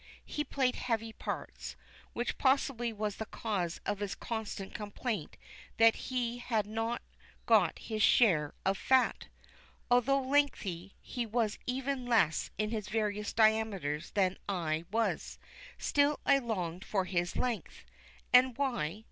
He played heavy parts, which possibly was the cause of his constant complaint that he had not got his share of "fat." Although lengthy, he was even less in his various diameters than I was, still I longed for his length. And why?